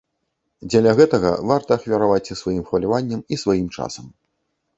Дзеля гэтага варта ахвяраваць і сваім хваляваннем, і сваім часам.